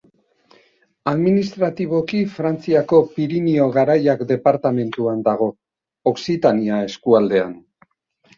Administratiboki Frantziako Pirinio Garaiak departamenduan dago, Okzitania eskualdean.